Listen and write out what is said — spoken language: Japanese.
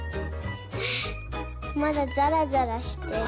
あまだざらざらしてる。